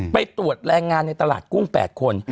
ไปตรวจแรงงานในตลาดกุ้ง๘คน